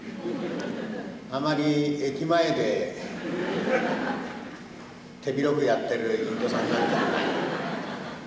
あまり駅前で手広くやっている隠居さんなんかいない。